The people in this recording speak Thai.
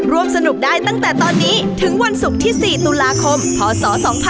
ร่วมสนุกได้ตั้งแต่ตอนนี้ถึงวันศุกร์ที่๔ตุลาคมพศ๒๕๖๒